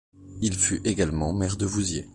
Il fut également maire de Vouziers.